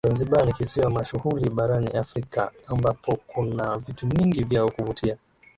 Zanzibar ni kisiwa mashuhuli barani Afrika ambapo kuna vitu vingi vya kuvutia